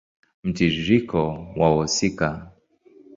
Mtiririko wa wahusika